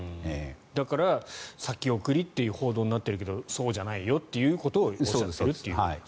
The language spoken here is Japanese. だから、先送りという報道になっているけどそうじゃないよということをおっしゃっていると。